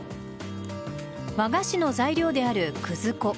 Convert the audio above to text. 和菓子の材料であるくず粉。